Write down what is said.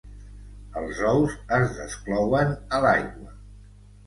Els ous es desclouen a l'aigua.